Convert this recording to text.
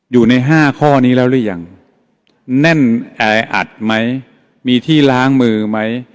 อยู่ในห้าข้อนี้แล้วหรือยังแน่นแออัดไหมมีที่ล้างมือไหม